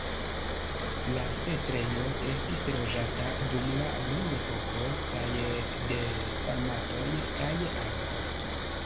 La setlejo estis loĝata dum la bronzepoko kaj de sarmatoj kaj avaroj.